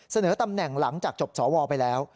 เสนอตำแหน่งหลังจากจบสวไปแล้ว